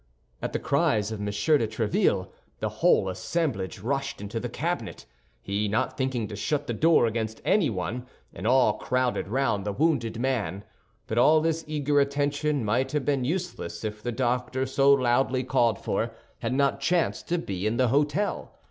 At the cries of M. de Tréville, the whole assemblage rushed into the cabinet, he not thinking to shut the door against anyone, and all crowded round the wounded man. But all this eager attention might have been useless if the doctor so loudly called for had not chanced to be in the hôtel.